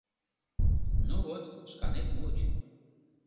— Ну вот, шканет муыч.